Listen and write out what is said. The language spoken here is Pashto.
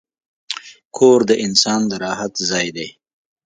کور د انسان د راحت ځای دی.